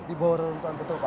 di bawah reruntuhan betul pak